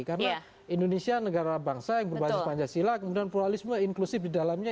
karena indonesia negara bangsa yang berbasis panjasila kemudian pluralisme inklusif di dalamnya